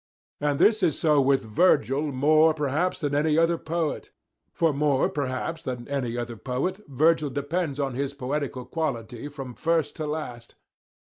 And this is so with Virgil more, perhaps, than with any other poet; for more, perhaps, than any other poet Virgil depends on his poetical quality from first to last.